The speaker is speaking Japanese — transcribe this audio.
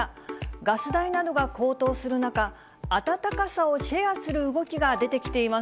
ガス代などが高騰する中、暖かさをシェアする動きが出てきています。